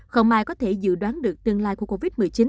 không ai có thể dự đoán được tương lai của covid một mươi chín